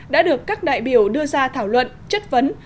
đã được các đại biểu đưa ra thảo luận chất vấn